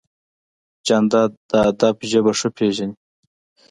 جانداد د ادب ژبه ښه پېژني.